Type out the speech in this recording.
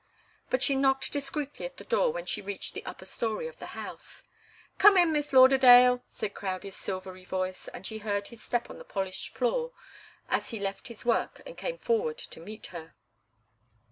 But she knocked discreetly at the door when she had reached the upper story of the house. "Come in, Miss Lauderdale," said Crowdie's silvery voice, and she heard his step on the polished floor as he left his work and came forward to meet her.